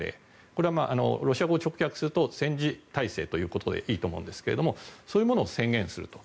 これはロシア語を直訳すると戦時体制ということでいいと思うんですがそういうものを宣言すると。